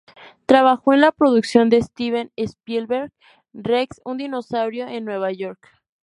Trabajó en la producción de Steven Spielberg, "Rex, un dinosaurio en Nueva York".